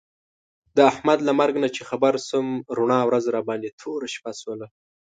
د احمد له مرګ نه چې خبر شوم، رڼا ورځ راباندې توره شپه شوله.